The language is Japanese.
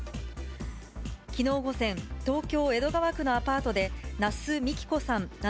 きのう午前、東京・江戸川区のアパートで、那須幹子さん